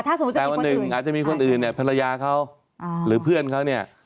แต่วันหนึ่งอาจจะมีคนอื่นเนี่ยภรรยาเขาหรือเพื่อนเขาเนี่ย